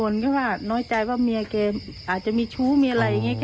ลักษณะแกเครียดมั้ย